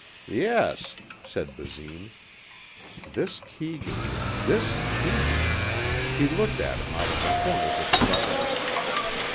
"Yes," said Basine. This Keegan ... this Keegan. He looked at him out of the corners of his eyes.